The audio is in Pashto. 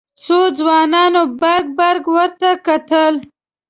څو ځوانانو برګ برګ ورته کتل.